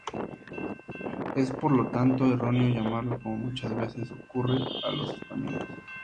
Es por lo tanto erróneo llamarlo, como muchas veces ocurre, ""a los españoles"".